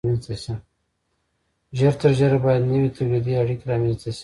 ژر تر ژره باید نوې تولیدي اړیکې رامنځته شي.